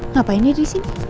ngapain dia disini